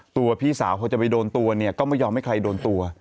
พี่สาวพอจะไปโดนตัวเนี่ยก็ไม่ยอมให้ใครโดนตัว